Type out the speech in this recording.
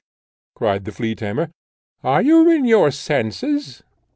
cried the flea tamer, "are you in your senses?